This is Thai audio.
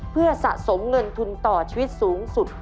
เพื่อสะสมเงินทุนต่อชีวิตสูงสุด